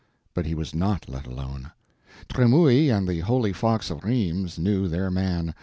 But he was not let alone. Tremouille and the holy fox of Rheims knew their man.